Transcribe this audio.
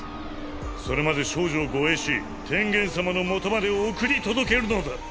それまで少女を護衛し天元様のもとまで送り届けるのだ。